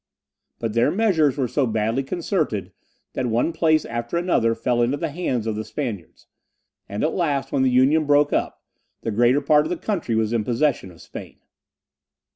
But their measures were so badly concerted, that one place after another fell into the hands of the Spaniards; and at last, when the Union broke up, the greater part of the country was in the possession of Spain.